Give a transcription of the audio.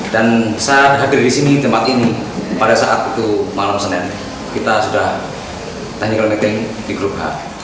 dan saat hadir di sini tempat ini pada saat itu malam senin kita sudah technical meeting di grup h